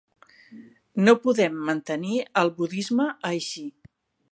No podem mantenir el budisme així.